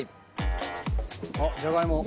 あっじゃがいも。